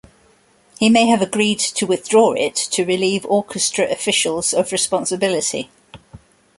He may have agreed to withdraw it to relieve orchestra officials of responsibility.